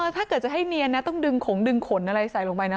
ถ้าเกิดจะให้เนียนนะต้องดึงขงดึงขนอะไรใส่ลงไปนะ